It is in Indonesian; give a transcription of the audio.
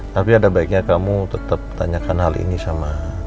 tapi ada baiknya kamu tetap tanyakan hal ini sama